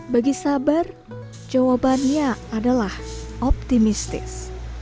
bagi sabar jawabannya adalah optimistis